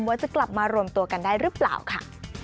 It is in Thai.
ว่าจะกลับมารวมตัวกันได้หรือเปล่าค่ะ